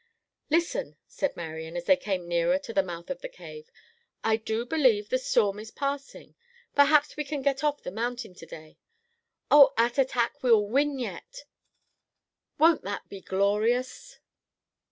"Listen!" said Marian, as they came nearer to the mouth of the cave, "I do believe the storm is passing. Perhaps we can get off the mountain to day. Oh, Attatak! We'll win yet! Won't that be glorious?"